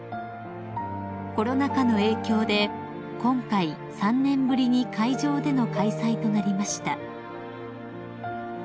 ［コロナ禍の影響で今回３年ぶりに会場での開催となりました］